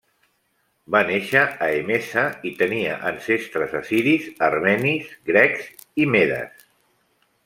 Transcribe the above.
Va néixer a Emesa i tenia ancestres assiris, armenis, grecs i medes.